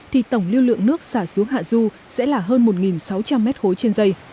thì tổng lưu lượng nước xả xuống hạ du sẽ là hơn một sáu trăm linh m ba trên dây